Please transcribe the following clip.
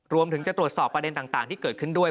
รวมถึงจะตรวจสอบประเด็นต่างที่เกิดขึ้นด้วย